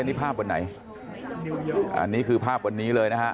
อันนี้ภาพวันไหนอันนี้คือภาพวันนี้เลยนะฮะ